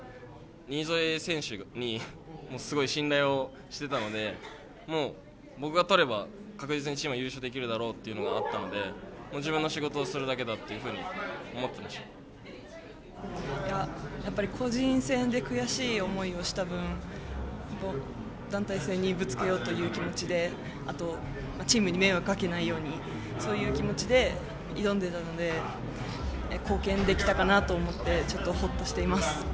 新添選手にすごく信頼をしていたので僕が取れば確実にチームが優勝できるだろうということもあったので自分の仕事をするだけだ個人戦で悔しい思いをした分団体戦にぶつけようという気持ちでチームに迷惑をかけないようにという気持ちで挑んでいたので貢献できたと思ってちょっとほっとしています。